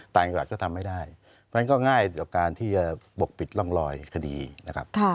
แต่อังกฎก็ทำไม่ได้เพราะฉะนั้นก็ง่ายจากการที่บกปิดร่องรอยคดีนะครับ